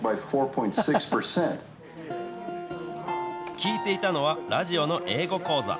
聴いていたのは、ラジオの英語講座。